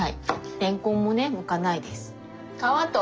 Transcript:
れんこんもねむかないです。